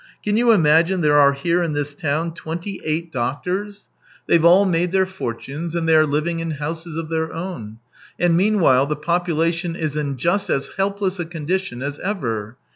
Can you imagine there are here in this town twenty eight doctors ? THREE YEARS 189 They've all made their fortunes, and they are living in houses of their own, and meanwhile the population is in just as helpless a condition as ever.